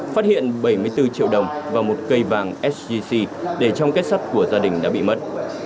phát hiện bảy mươi bốn triệu đồng và một cây vàng sgc để trong kết sắt của gia đình đã bị mất